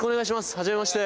はじめまして。